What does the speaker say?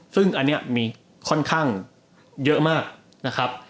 ซึ่งอันนี้มีค่อนข้างเยอะมากนะครับ